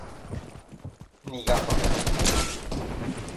ni gafas.